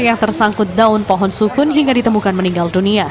yang tersangkut daun pohon sukun hingga ditemukan meninggal dunia